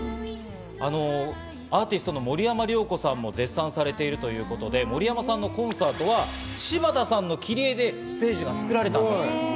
アーティストの森山良子さんも絶賛されているということで森山さんのコンサートは柴田さんの切り絵でステージが作られたんです。